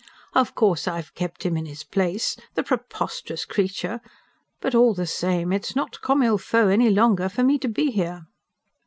Of course, I've kept him in his place the preposterous creature! But all the same it's not COMME IL FAUT any longer for me to be here."